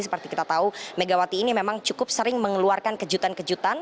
seperti kita tahu megawati ini memang cukup sering mengeluarkan kejutan kejutan